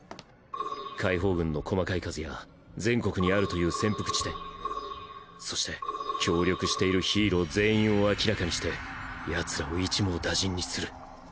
解放軍の細かい数や全国にあるという潜伏地点そして協力しているヒーロー全員を明らかにして奴らを一網打尽にする。